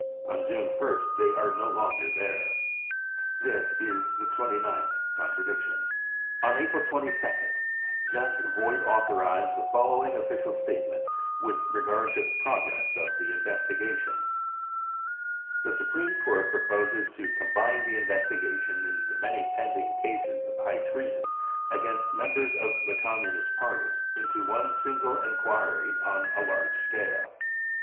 On June 1st they are no longer there. This is the twenty ninth contradiction. On April 22nd Judge Vogt authorised the following official statement with regard to the progress of the investi gation : <c The Supreme Court proposes to combine the investiga tion in the many pending cases of high treason against members of the Communist Party into one single enquiry on a large scale.